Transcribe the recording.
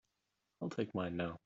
I'll take mine now.